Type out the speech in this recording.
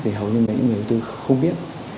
thì hầu như những người đầu tư không biết